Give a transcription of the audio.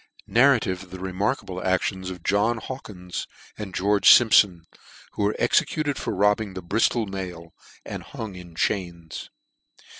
Narrative of the remarkable Actions of JOHN HAWKINS, and GEORGE SIMPSON, who were executed for robbing the Briftol Mail, and hung in Chains.